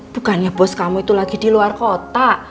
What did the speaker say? bukannya bos kamu itu lagi di luar kota